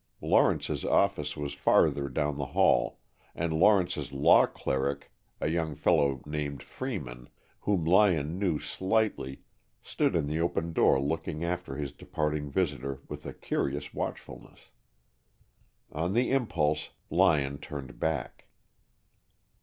Lawrence's office was farther down the hall, and Lawrence's law cleric, a young fellow named Freeman, whom Lyon knew slightly, stood in the open door looking after his departing visitor with a curious watchfulness. On the impulse, Lyon turned back.